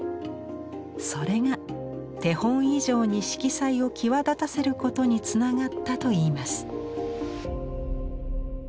それが手本以上に色彩を際立たせることにつながったといいます。